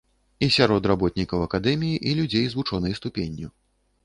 І сярод работнікаў акадэміі, і людзей з вучонай ступенню.